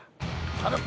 頼む！